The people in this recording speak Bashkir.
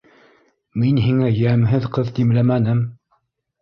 Мин һиңә йәмһеҙ ҡыҙ димләмәнем.